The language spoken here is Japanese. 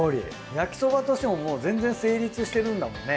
焼きそばとしてももう全然成立してるんだもんね。